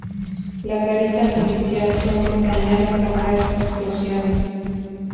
La garita policial fue muy dañada por las explosiones.